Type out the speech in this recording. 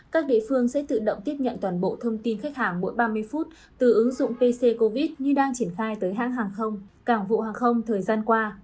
các địa phương sẽ tự động tiếp nhận toàn bộ thông tin khách hàng mỗi ba mươi phút từ ứng dụng pc covid như đang triển khai tới hãng hàng không cảng vụ hàng không thời gian qua